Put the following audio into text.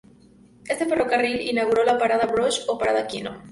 Este ferrocarril inauguró la "Parada Bosch", o "Parada Km.